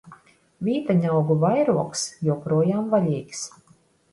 Vīteņaugu vairogs joprojām vaļīgs!